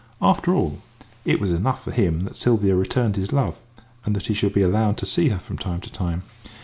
After all, it was enough for him that Sylvia returned his love, and that he should be allowed to see her from time to time.